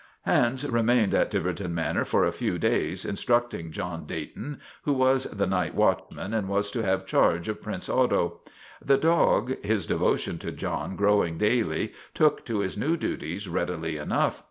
Hans remained at Tiverton Manor for a few days, instructing John Dayton, who was the night watchman and was to have charge of Prince Otto. The dog, his devotion to John growing daily, took to his new duties readily enough.